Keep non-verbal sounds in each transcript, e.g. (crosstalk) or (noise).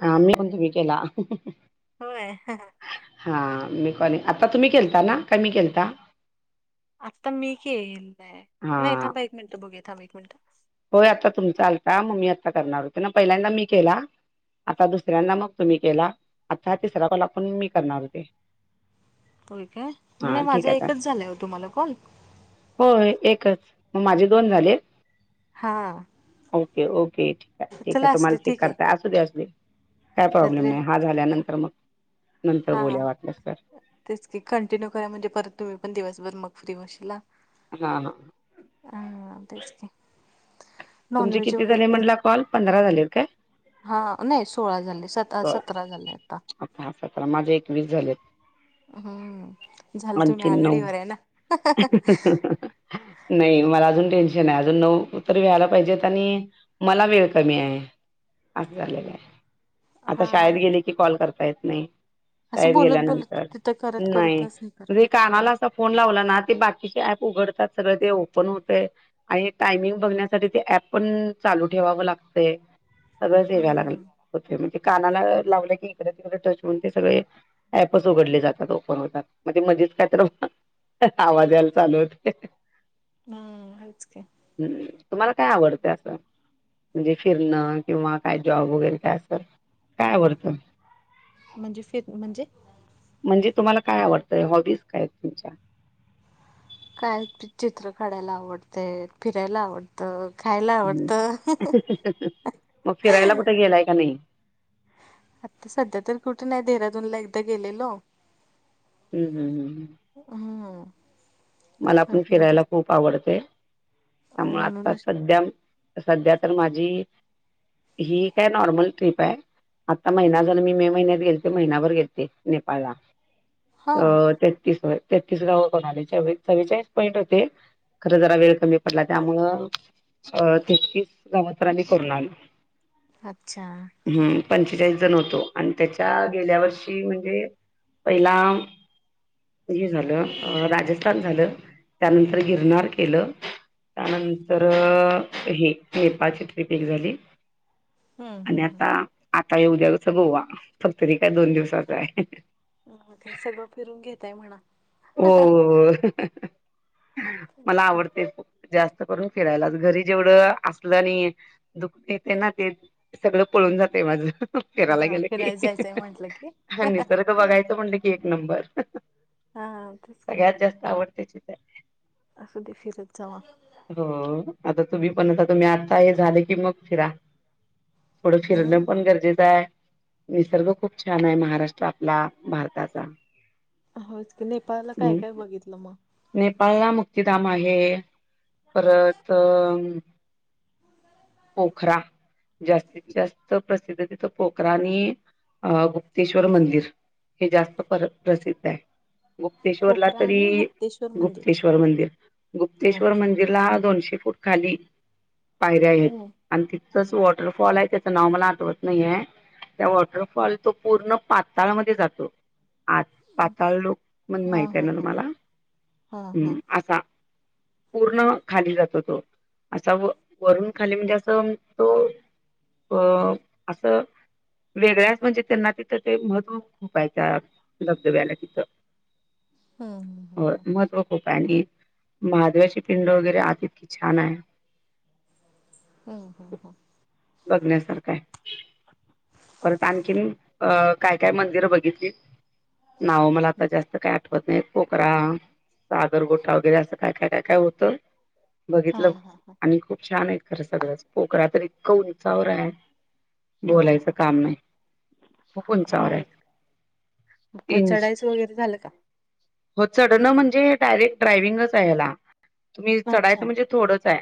हा मी म्हणजे मी केला हं हं हं हं होय अहं ह हा मी कोणी आता तुम्ही केलता ना का मी केळता आत्ता मी केलाय हा नाही थांबा एक मिनिटं बघूया थांबा एक मिनिटं होय आत्ता तुमचा आलता मग मी आत्ता करणार होते ना पहिल्यांदा मी केला आता दुसऱ्यांदा मग तुम्ही केला आता तिसरा कॉल आता मग मी करणार होते होय काय मग हा ना ठीक माझा आहे आता एकच झालाय काय तुम्हाला कॉल होय एकच मग माझे दोन झाले हा ओके ओके ठीक आहे ठीक आहे चला असू तुम्हाला दे चेक ठीक आहे करताय असू दे असू दे काय प्रॉब्लेम नाहीतरी नाही हा झाल्यानंतर मग नंतर हा बोलया वाटलस तर तेच की कंटिन्यू करा म्हणजे परत तुम्ही पण दिवसभर मग फ्री बसशीला हा हा हा काय निवांतच की तुमचे नॉनव्हेज किती वगैरे झाले काय म्हटला कॉल पंधरा झालेत काय. हा नाही सोळा झाले सत सतरा झाले आता हा सतरा माझे एकवीस झालेत हम्म झालं तुम्ही आणखीन नऊ आघाडीवर आहे ना हां हां हां नाही मला अजून टेन्शन आहे अजून नऊतर व्यायला पाहिजेत आणि मला वेळ कमी आहे असं झालेलं आहे आता हा शाळेत गेले की कॉल करता येत नाही असं शाळेत बोलत बोलत गेल्यानंतर तिथं करत नाही करतच हे करा म्हणजे ना का कानाला नाही असा फोन लावला ना ते बाकीचे ऍप उघडतात सगळे ते ओपन होतेय आणि टायमिंग बघण्यासाठी ते ऍप पण चालू ठेवावं लागतयं सगळं (unintelligible) लागल. हम्म हे म्हणजे कानाला लावल की इकड तिकडे टच हुन ते सगळे ऍपच उघडले जातात ओपन होतात, म ते मधीच काही तर आवाज यायला चालू होतंय. हूं आहेच की! हं तुम्हाला काय आवडत असं, म्हणजे फिरणं किंवा काय जॉब वगैरे काय. काय आवडत? म्हणजे फिर म्हणजे म्हणजे तुम्हाला काय आवडतंय, हॉबीज काय आहेत तुमच्या? काय चित्र काढायला आवडतयं, फिरायला आवड त खायला हम्म आवडतं. मग फिरायला कुठे गेलाय का नही? आता सध्या तर कुठे नाही, देहरादूनला एकदा गेलेलो. हूं हूं हूं हूं! हं! मला पण फिरायला खूप आवडतयं, त्यामुळ आता म्हणूनच सध्या सध्या तर माझी ही काय नॉर्मल ट्रिप आहे. आता महिना झाला मी मे महिन्यात गेलते महिनाभर गेलते नेपाळला. हा अ तेतीस होय तेतीस गाव कोण आले चव्वे-चव्वेचाळीस पॉईंट होते. खरं जरा वेळ कमी पडला त्यामुळ अ तेहतीस गावतरं आही करून आलो. अच्छा! हूं पंचेचाळीस जण होतो, आण त्याच्या गेल्या वर्षी म्हणजे. पहिला हे झालं अ राजस्थान झालं. त्यानंतर गिरनार केलं. त्यानंतर हे नेपाळची ट्रिप एक झाली. आणि हम्म आता आता ये उद्याच गोवा, फक्त तरी काय दोन दिवसाच आहे. अ म काय सगळं फिरून घेताय म्हणा. हो हो हो! मला आवडते जास्त करून फिरायला, घरी जेवढं असलं आणि दुखते ते ना ते सगळं पळून जातेयं माझं, फिरायला बा गेलं की. फिरायला जायचंय म्हंटलं की ह निसर्ग बघायच म्हणलं की एक नंबर. हा! तेच सगळ्यात जास्त आवडतेची. असु दे फिरत! चवा! हो आता तुम्ही पण, आता तुम्ही आत्ता हे झाले की मग फिरा. थोडं ह फिरणं पन गरजेचं आहे. निसर्ग खूप छान आहे, महाराष्ट्र आपला भारताचा. होचं की नेपाळला काय हम् काय बघितलं म. नेपाळला मुक्तीधाम आहे. परत अ पोखरा. जास्तीत जास्त प्रसिद्ध तिथं पोखरा आणि गुप्तेश्वरमंदिर. हे जास्त पर प्रसिद्ध आहे. गुप्तेश्वरला कोकरा आणि तरी गुप्तेश्वर मंदिर. गुप्तेश्वर मंदिर, गुप्तेश्वर अच्छा मंदी रला दोनशे फूट खाली पायऱ्या आहेत. हम्म आणि तिथचंच वॉटरफॉल आहे. त्याचं नाव मला आठवत नाही आहे त्या वॉटरफॉल तो पूर्ण पाताळामध्ये जातो. आ ज पातळ म्हण हा माहित आहे हा ना हा तुम्हाला हा हा ह् असा पूर्ण खाली जातो तो असा व वरून खाली म्हणजे असं तो. अ असं. वेगळ्याच म्हणजे त्यांना तिथं ते महत्त्व खूपात्या धबधब्याला तिथं. हम्म हो हम्म महत्व खूप आणि महादेवाची. पिंड वगैरे आहे कि छान आहे. ह हो हो... बघण्यासारखा आहे. परत आणखीन काय काय मंदिरं बघितलीत. नाव मला आता जास्त काय आठवत नाहीत पोकरा. सागर गोटा वगैरे असं काय काय काय काय होतं हा बघितलं हा हा आणि खूप छान आहे. खरं सगळंच पोकरा तर इतकं उंचावर आहे. हा हा बोलायचं हा काम नाही खूप उंचावर आहे होय इनस. (unintelligible) हो चढण म्हणजे डायरेक्ट ड्रायविंगच आहे याला. तुम्ही अच्छा चढायचं म्हणजे थोडंच आहे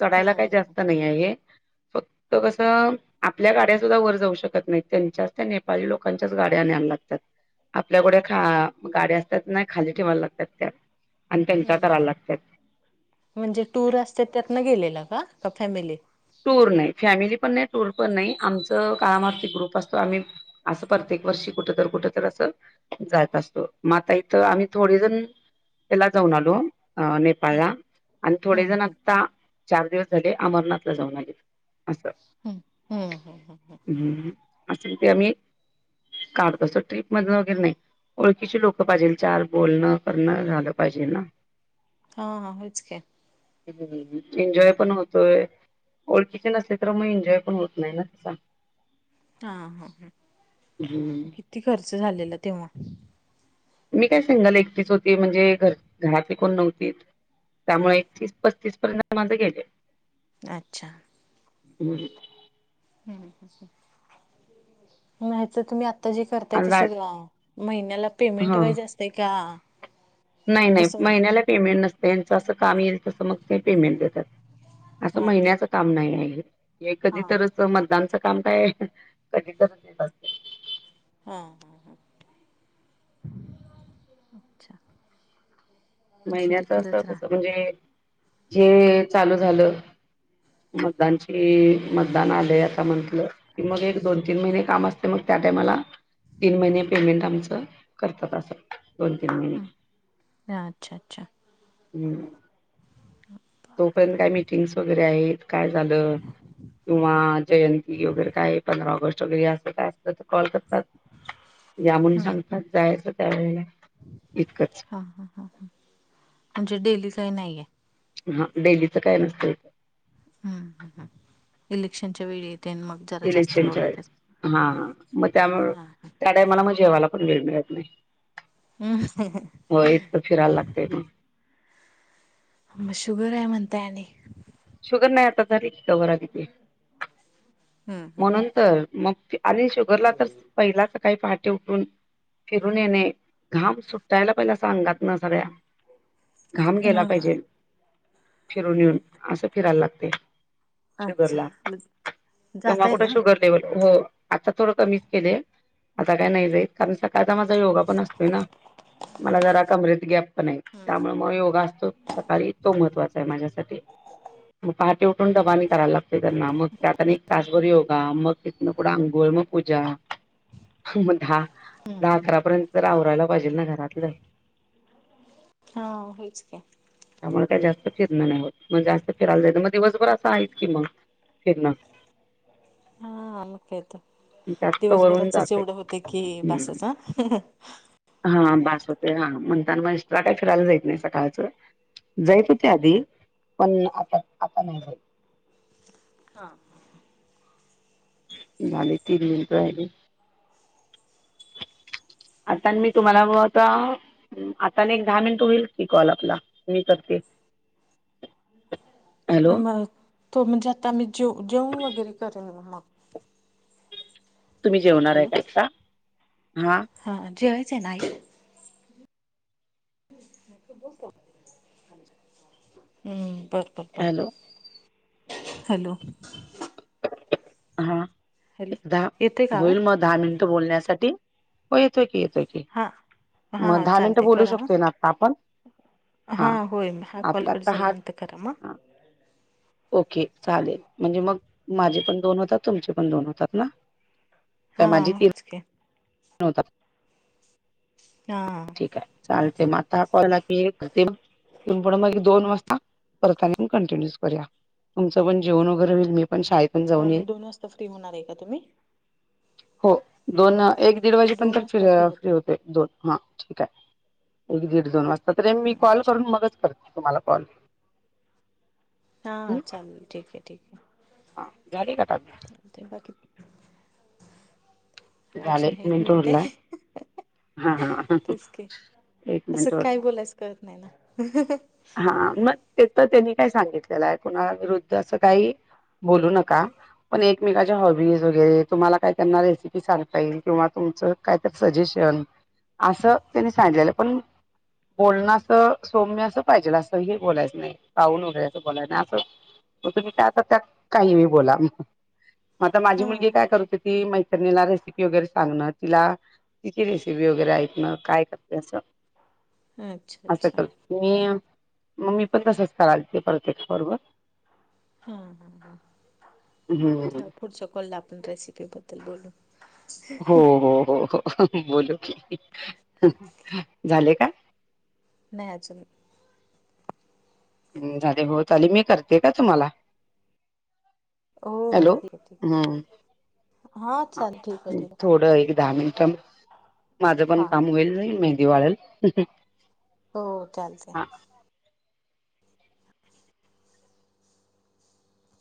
चढायला हम्म काय हम्म जास्त नाही आहे हे फक्त. तो कसं. आपल्या गाड्या सुुद्धा वर जाऊ शकत नाही त्यांच्याच त्या नेपाळी लोकांच्याच गाड्या आणा्यायला लागतात. आपल्यागाड्या असतात नाही खाली ठेवायला लागतात त्या. आणि त्यांच्या ह् ह करायला लागतात म्हणजे टूर असते त्यातन गेलेला का फॅमिली. टूर नाही फॅमिली पण नाही टूर पण नाही आमच कामतील ग्रुप असतो आम्ही. असं प्रत्येक वर्षी कुठ तर कुठ तर असं. जात असतो म आता इथं आम्ही जण त्याला जाऊनआलो नेपाळ. नेपाळ आणि थोडे हम्म जण हम्म आता चार दिवस झाले अमरनाथला जाऊन लागले असं. हम्म हम्म हम् हम् हम्... असं ते आम्ही काढतो अस ट्रिप मधून वगैरे नाही. ओळखीचे लोक पाहिजे चार बोलणं करणं झालं पाहिजे ना. हा हेच काय. ह एन्जॉय पण होतोय. ओळखीचे नसले तर मग एन्जॉय पण होत नाही ना तसा. हा हा हम्म ह किती खर्च झालेला तेव्हा. मी काय सिंगल एकटीच होती म्हणजे घर घरातील कोण नव्हती. त्यामुळे एकतीस पस्तीस पर्यंत माझ गेले. अच्छा... हं. ह् नाही तरतुम्ही आता जे करताय आणि तस रा. महिन्याला पेमेंट हा वाईज असते का. नाही नाही कसं म्हणजे महिन्याला पेमेंट नसते च असं काम येईल तसं मग ते पेमेंट देतात. असं हा अच्छा महिन्याच काम अच्छा नाहीहे तर हा कधीमधच. काम काय कधी करत येत असते. हा ह ह अच्छा. असू दे महिन्याच अस करत कसं राहा म्हणजे. हे चालू झालं मतदानची मतदान आले आता म्हणत. की मग एक दोन तीन महिने काम असत. तर मग त्या टायमाला तीन महिने पेमेंट आमचं करतात असं दोन तीन महिने. हा अच्छा अच्छा. हम्म तोपर्यंत काय मीटिंगस वगैरे आहेत काय झालं किंवा जयंती वगैरे काय पंधरा ऑगस्ट वगैरे असे काय कधी कॉल करतात यामुळे हम्म सांगतात काय त काय. हा हा ह ह म्हणजे डेलीच नाहीये. हा डेलीचं काय नसतय. हम् ह इलेक्शनच्या वेळी येते मग जरा जास्त लोड इलेक्शनच्या येतच हा मग त्यामुळ हा त्या टायमाला म जेवाला पण वेळ मिळत नाही. हो इतकं फिरायला लागतय मग (unintelligible) म शुगर आहे म्हणत आणि, शुगर नाही आता झाली, कवर आली ती. म्हणून तर मग आणि शुगरला तर पहिलाच काही पहाटे उठून फिरून येणे घाम सुट्टायला पहिला सांग आतन सगळ्या. घाम गेला हा पाहिजे, फिरून येऊन असं फिरायला लागते. अच्छा शुगरला तेव्हा जाताय कुठं ना शुगर लेवल हो आत्ता थोडं कमीच केलय आता काय नाही जाईत कारण स आता माझा योगा पण असतोय ना, मला जरा कमरत गॅप त्यामुळे म योगा असतो सकाळी तो महत्वाचा आहे माझ्यासाठी म पा ते उठून डबा मी करायला लागते. त्यांना मग त्यात आणि, तास भरी योगा मग तितन पुढ अंघोळ मग पूजा मग दहा दहा अकरापर्यंत तर आवरायला पाहिजेल ना घरातलं. हा होयचकी त्यामुळे त्याच्या (unintelligible) नाही होत मग जास्त फिरायला जाईच मग दिवसभर असं आहेच की मग फिरन हा मग काय तर त्यात कवरून दिवसभराचच जातंय एवढं होतं कि हम्म बासच हा हा बास होते हा म्हणताना मग एस्ट्रा काय फिरायला जायचय सकाळचं. जायत होते आधी पण आता आता नाही होत. हा आणि तीन मिनिटं राहिली. आता मी तुम्हाला (unintelligible) आता ने एक दहा मिनिट होईल की कॉल आपला मी करते. त हॅलो म तुमच्यात आणि (unintelligible) तुम्ही जेवणार आहे हॅलो का आत्ता? हा हा जेवायचना आय. (unintelligible) हम्म बरं बरं बरं हॅलो हॅलो हा हॅलो एकदा येतोय का आवाज होईल मग दहा मिनिटं बोलण्यासाठी, हो येतोय की येतोय. की हा हा मग दहा मिनिटं चालते बोलू करा हा शकतोय ना आता आपण हा होईल हा कॉल आपला कट आता हा झाल्यानंतर कर मग. हा ओके चालेल म्हणजे मग माझे पण दोन होतात तुमचे पण दोन होतात ना. हा काय माझी तीन होच कि होतात हा ठीक हाय चालते म आता कॉल आला कि ते इथून पुढ मग दोन वाजता परत आणि कंटिन्यूच करूया. तुमच पण जेवण वगैरे होईल मी पण शाळेत हां म दोन वाजता फ्री होणार हाय का तुम्ही? हो दोन एक दीड दोन वाजेपर्यंत वाजता फिऱ्या फ्री होताय होतेय दोन हा. ठीक हाय एक दीड दोन वाजता तरी मी कॉल अच्छा करून अच्छा मगच करते तुम्हाला कॉल. हा हा चालेल ठीक आहे ठीक आहे. हा झाली का काम? ठेवा की झाले अजून हाय एक मिनिट मिनटे उरलाय हा हा तेच कि एक असं मिनिट उरलाय काय बोलायचं कळत नाय ना. हा मग ते तर त्यांनी काय सांगितलेलं हाय कुणा विरुद्ध असं काही बोलू नका पण एकमेकाच्या हॉबीज वगैरे तुम्हाला काय त्यांना रेसिपी सांगता येईल किंवा तुमचं काहीतर सजेशन असं त्यांनी सांजलेलं पण बोलण असं सौम्य असं पाहिजेल असं हे बोलायचं नाही काऊन वगैरे असं बोलाय नाय असं मग तुम्ही त्यात आता त्या काही बी बोला म आता माझी मुलगी हा काय करत होती मै त्रिणीला रेसिपी वगैरे सांगणार तिला तिची रेसिपी वगैरे ऐकणार काय करते असं अच्छा असं अच्छा करते मी मग मी पण तसंच करालते प्रत्येक कॉल वर. हा हम्म हम्म हा हम्म. पुढच्या कॉलला आपण रेसिपीबद्दल बोलू. हो हो हो हो बोलू की तेच झाले का? नाय अजून झाले होत आले मी करते का तुम्हाला? हॅलो हो ठीक आहे हम्म. ठीक हा चालेल ठीक आहे ठीक आहे थोडं एक दहा मिनटं म माझं पण हा काम होईल नाही मेहंदी वाळल. हो चालतय.